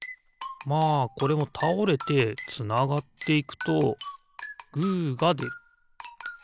まあこれもたおれてつながっていくとグーがでる。